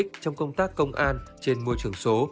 được tiện ích trong công tác công an trên môi trường số